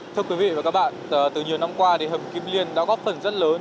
thưa quý vị và các bạn từ nhiều năm qua thì hầm kim liên đã góp phần rất lớn